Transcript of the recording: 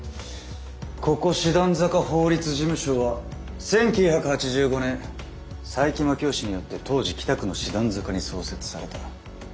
ここ師団坂法律事務所は１９８５年佐伯真樹夫氏によって当時北区の師団坂に創設された。